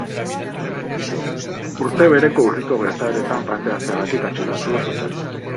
Urte bereko urriko gertaeretan parte hartzeagatik atxilotu zuten.